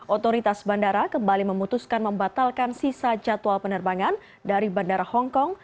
otoritas bandara kembali memutuskan membatalkan sisa jadwal penerbangan dari bandara hongkong